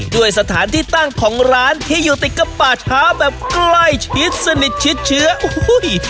ด้วยสถานที่ตั้งของร้านที่อยู่ติดกับป่าช้าแบบใกล้ชิดสนิทชิดเชื้อโอ้โห